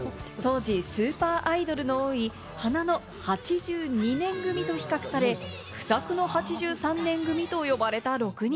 当時スーパーアイドルの多い「花の８２年組」と比較され、「不作の８３年組」と呼ばれた６人。